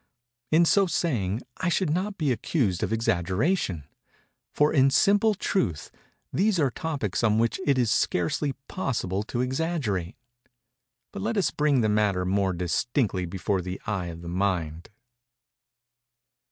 In so saying, I should not be accused of exaggeration; for, in simple truth, these are topics on which it is scarcely possible to exaggerate. But let us bring the matter more distinctly before the eye of the mind.